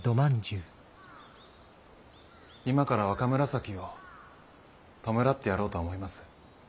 今から若紫を弔ってやろうと思います。